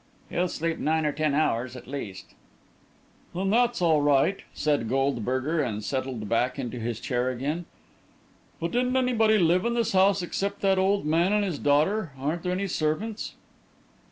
"He'll sleep nine or ten hours, at least." "Then that's all right," said Goldberger, and settled back in his chair again. "But didn't anybody live in this house except that old man and his daughter? Aren't there any servants?"